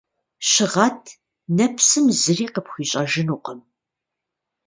Щыгъэт, нэпсым зыри къыпхуищӀэнукъым.